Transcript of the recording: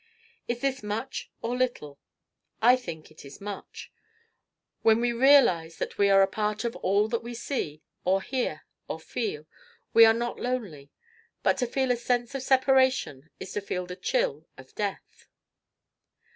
Is this much or little? I think it is much. When we realize that we are a part of all that we see, or hear, or feel, we are not lonely. But to feel a sense of separation is to feel the chill of death.